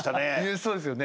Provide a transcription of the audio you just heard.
そうですよね。